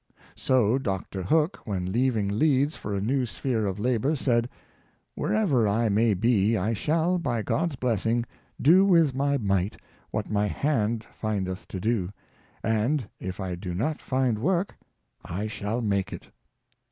So Dr. Hook, when leaving Leeds for a new sphere of labor, said, " Wherever I may be, I shall, by God's blessing, do with my might what my hand findeth to do; and, if I do not find work, I shall make it."